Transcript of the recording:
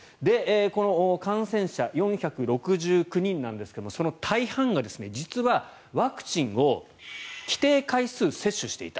この感染者４６９人なんですがその大半が実はワクチンを規定回数接種していた。